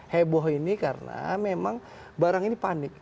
heboh ini karena memang barang ini panik